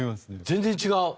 全然違う。